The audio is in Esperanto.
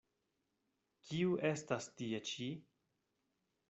Kiu estas tie ĉi?